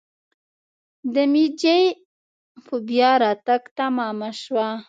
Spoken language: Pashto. د میجي په بیا راتګ تمامه شوه.